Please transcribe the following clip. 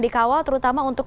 dikawal terutama untuk